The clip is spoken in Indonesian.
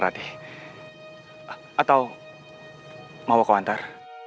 atau mau kau antar